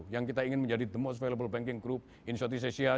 yang kita ingin menjadi the most valuable banking group in sesia